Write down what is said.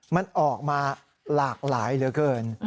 มันออกมาหลากหลายเหลือเกิน